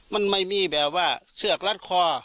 มันไม่มีแบบว่าเชือกรัดคอ